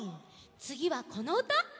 つぎはこのうた！